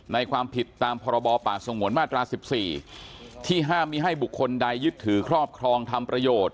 ความผิดตามพรบป่าสงวนมาตรา๑๔ที่ห้ามมีให้บุคคลใดยึดถือครอบครองทำประโยชน์